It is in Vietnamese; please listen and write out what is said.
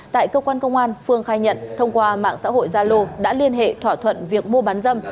tại cơ quan công an phương khai nhận thông qua mạng xã hội zalo đã liên hệ thỏa thuận việc mua bán dâm